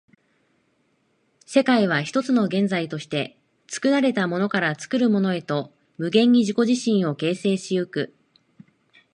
世界は一つの現在として、作られたものから作るものへと無限に自己自身を形成し行く。